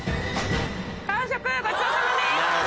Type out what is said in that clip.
完食ごちそうさまです。